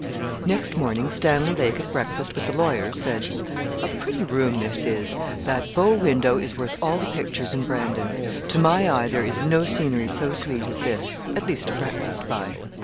Next morning Stanley Lake, at breakfast with the lawyer, said 'A pretty room this is. That bow window is worth all the pictures in Brandon. To my eye there is no scenery so sweet as this, at least to breakfast by.